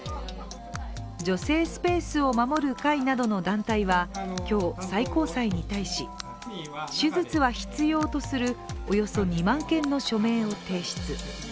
女性スペースを守る会などの団体は今日最高裁に対し、手術は必要とするおよそ２万件の署名を提出。